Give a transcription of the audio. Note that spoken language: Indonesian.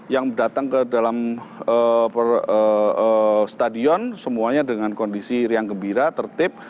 yang datang ke dalam stadion semuanya dengan kondisi riang gembira tertib